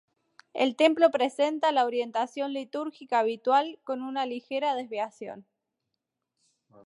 El templo presenta la orientación litúrgica habitual con una ligera desviación.